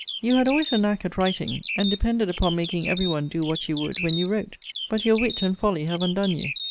You had always a knack at writing; and depended upon making every one do what you would when you wrote. But your wit and folly have undone you.